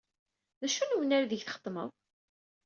D acu n wenrar aydeg txeddmeḍ?